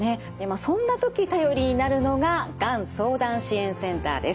そんな時頼りになるのががん相談支援センターです。